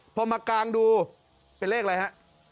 พอมากางดูเป็นเลขอะไรฮะ